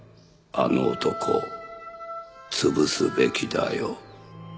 あの男潰すべきだよ。